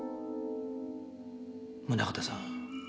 宗形さん。